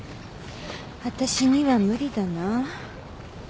私には無理だな。